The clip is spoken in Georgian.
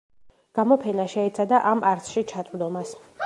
გამოფენა შეეცადა ამ არსში ჩაწვდომას.